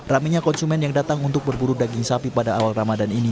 raminya konsumen yang datang untuk berburu daging sapi pada awal ramadan ini